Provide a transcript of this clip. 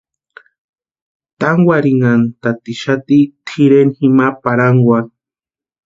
Tankwarinhantatixati tʼirenhani jima parhankwaru.